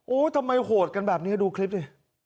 ทำไมโหดกันแบบนี้ดูคลิปดิ